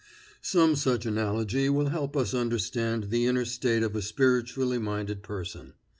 Some such analogy will help us understand the inner state of a spiritually minded person.